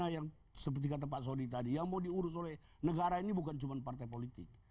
yang seperti kata pak sody tadi yang mau diurus oleh negara ini bukan cuma partai politik